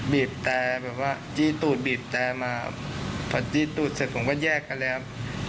บีบแต่แบบว่าจี้ตูดบีบแต่มาพอจี้ตูดเสร็จผมก็แยกกันเลยครับ